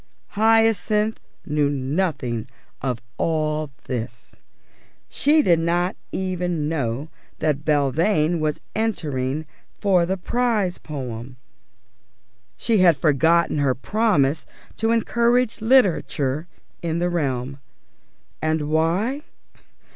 Hyacinth knew nothing of all this. She did not even know that Belvane was entering for the prize poem. She had forgotten her promise to encourage literature in the realm. And why?